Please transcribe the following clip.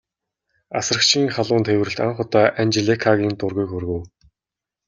Асрагчийн халуун тэврэлт анх удаа Анжеликагийн дургүйг хүргэв.